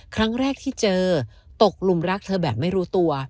ครั้งแรกที่เจอตกลุมรักเธอแบบไม่รู้ตัว